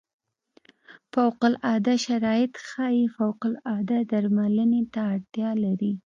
فوق العاده شرایط ښايي فوق العاده درملنې ته اړتیا لري.